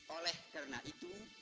oleh karena itu